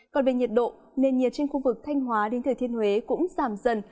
còn về nhiệt độ nền nhiệt trên khu vực thanh hóa đến thời thiên huế cũng giảm dần